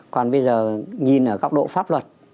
còn bây giờ nhìn ở góc độ pháp luật